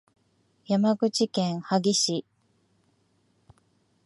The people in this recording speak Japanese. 山口県萩市